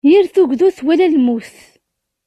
Yir tugdut wala lmut.